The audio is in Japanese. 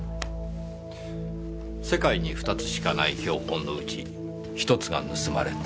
世界に２つしかない標本のうち１つが盗まれた。